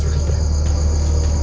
jangan sampai dia melakukan perawanan